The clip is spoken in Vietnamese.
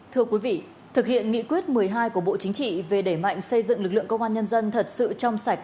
thưa quý vị thực hiện nghị quyết một mươi hai của bộ chính trị về đẩy mạnh xây dựng lực lượng công an nhân dân thật sự trong sạch